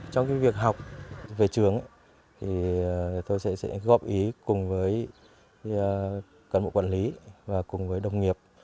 trong việc học về trường tôi sẽ góp ý cùng với cán bộ quản lý và cùng với đồng nghiệp